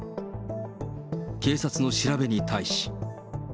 警察の調べに対し。